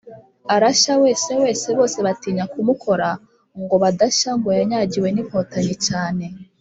arashya wese wese bose batinya kumukora ngo badashya ngo yanyagiwe n’inkotanyi cyane;